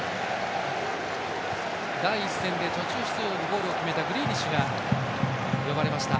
第１戦、途中出場でゴールを決めたグリーリッシュが呼ばれました。